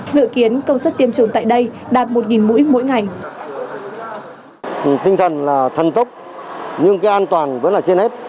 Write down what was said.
dự kiến công suất tiêm tại đây đạt một mũi mỗi ngày